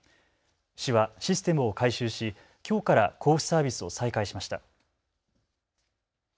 市はシステムを改修しきょうから交付サービスを再開しました。